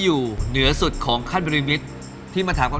มาขนาดนี้แล้ว